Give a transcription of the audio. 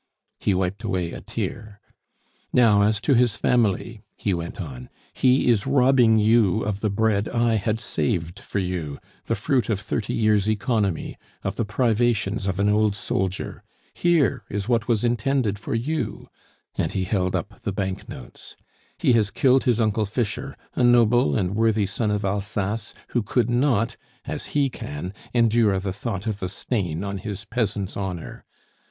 He wiped away a tear. "Now, as to his family," he went on. "He is robbing you of the bread I had saved for you, the fruit of thirty years' economy, of the privations of an old soldier! Here is what was intended for you," and he held up the bank notes. "He has killed his Uncle Fischer, a noble and worthy son of Alsace who could not as he can endure the thought of a stain on his peasant's honor.